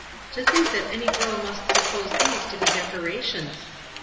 To think that any girl must suppose these to be decorations!